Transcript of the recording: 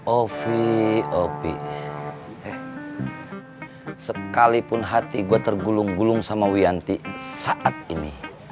opi opi sekalipun hati gue tergulung gulung sama wianti saat ini